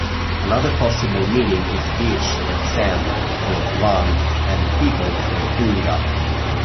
Another possible meaning is "beach" or "sand" for "one" and "people" for "hunga".